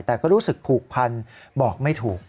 แต่ก็รู้สึกผูกพันบอกไม่ถูก